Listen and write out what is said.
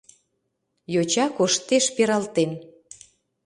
Йоча коштеш пералтен.